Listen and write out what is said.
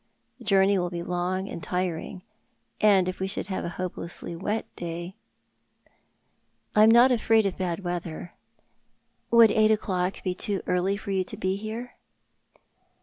The journey will be long and, tiring; and if we should have a hopelessly wet day "" I am not afraid of bad weather. Would eight o'clock be too early for you to be here